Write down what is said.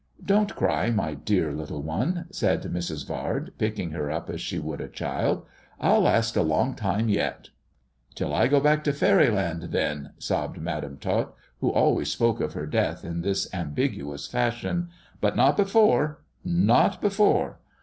" Don't cry, my dear little one," said Mrs. Vard, pickinj her up as she would a child, " I'll last a long time yet." Till I go back to faery land, then," sobbed Madam Tot who always spoke of her death in this ambiguous fashion " but not before — not before.